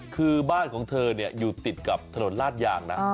คือบ้านของเธอติดกับถนนลาทอย่าง